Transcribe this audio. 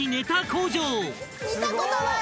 見たことない！